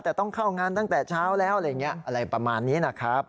แต่ต้องเข้างานตั้งแต่เช้าแล้วอะไรประมาณนี้นะครับ